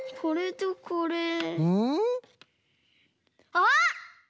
あっ！